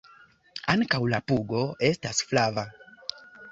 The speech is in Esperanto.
Ankaŭ la pugo estas flava.